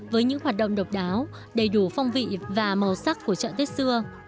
với những hoạt động độc đáo đầy đủ phong vị và màu sắc của chợ tết xưa